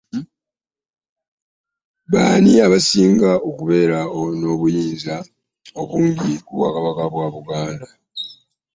B'ani abasinga okubeera n'obuyinza obungi ku bwakabaka bwa Buganda.